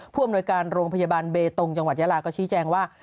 ผู้อำนวยการโรงพยาบาลเบตงจังหวัดยาลาก็ชี้แจงว่า